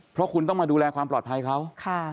เพราะคุณต้องมาดูแลความปลอดภัยเขา